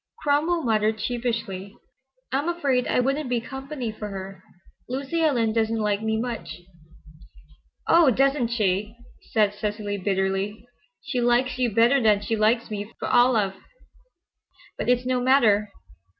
Cromwell muttered sheepishly, "I'm afraid I wouldn't be company for her. Lucy Ellen doesn't like me much—" "Oh, doesn't she!" said Cecily, bitterly. "She likes you better than she likes me for all I've—but it's no matter.